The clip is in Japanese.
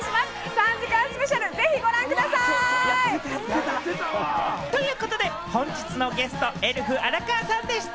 ３時間スペシャル、ということで本日のゲスト、エルフ・荒川さんでした。